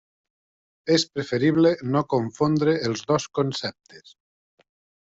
És preferible no confondre els dos conceptes.